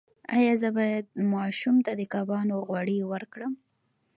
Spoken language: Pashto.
ایا زه باید ماشوم ته د کبانو غوړي ورکړم؟